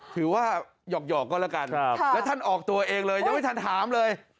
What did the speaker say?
หยอกก็แล้วกันแล้วท่านออกตัวเองเลยยังไม่ทันถามเลย